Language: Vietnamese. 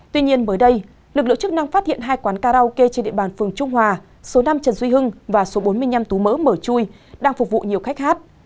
tuy nhiên mới đây lực lượng chức năng phát hiện hai quán karaoke trên địa bàn phường trung hòa số năm trần duy hưng và số bốn mươi năm tú mỡ mở chui đang phục vụ nhiều khách hát